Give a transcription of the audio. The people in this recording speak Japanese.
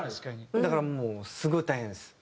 だからもうすごい大変です。